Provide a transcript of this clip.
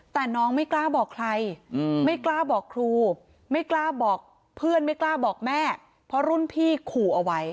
แต่น้องไม่กล้าบอกใครอืมไม่กล้าบอกครู